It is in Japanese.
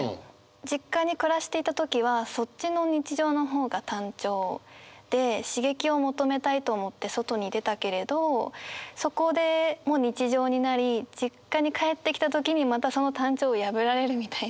実家に暮らしていた時はそっちの日常の方が単調で刺激を求めたいと思って外に出たけれどそこでも日常になり実家に帰ってきた時にまたその単調を破られるみたいな。